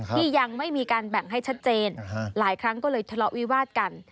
ที่ยังไม่มีการแบ่งให้ชัดเจนหลายครั้งก็เลยทะเลาะวิวาดกัน